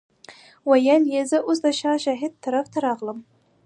ویل یې زه اوس د شاه شهید طرف ته راغلم.